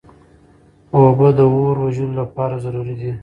اوبه د اور وژلو لپاره ضروري دي.